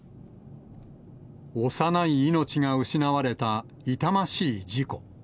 幼い命が失われた痛ましい事故。